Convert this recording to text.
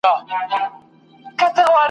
له ستړیا یې اندامونه رېږدېدله ..